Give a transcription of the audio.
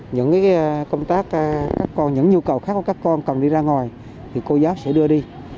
những công tác còn những nhu cầu khác của các con cần đi ra ngoài thì cô giáo sẽ đưa đi